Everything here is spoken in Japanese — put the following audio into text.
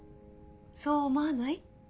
そう思わない？